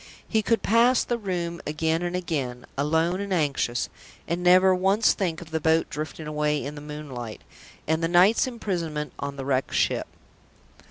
He could pass the room again and again, alone and anxious, and never once think of the boat drifting away in the moonlight, and the night's imprisonment on the Wrecked Ship!